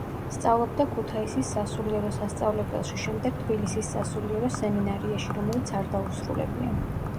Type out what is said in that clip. სწავლობდა ქუთაისის სასულიერო სასწავლებელში, შემდეგ თბილისის სასულიერო სემინარიაში, რომელიც არ დაუსრულებია.